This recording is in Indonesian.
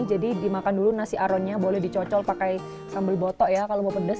jadi dimakan dulu nasi aronnya boleh dicocol pakai sambal boto ya kalau mau pedas